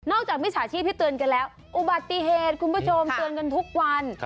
จากมิจฉาชีพที่เตือนกันแล้วอุบัติเหตุคุณผู้ชมเตือนกันทุกวัน